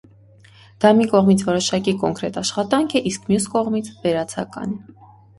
Դա մի կողմից՝ որոշակի (կոնկրետ) աշխատանք է, իսկ մյուս կողմից՝ վերացական։